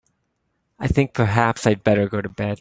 I think perhaps I'd better go to bed.